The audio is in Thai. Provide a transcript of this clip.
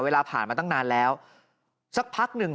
เวลาผ่านมาตั้งนานแล้วสักพักหนึ่ง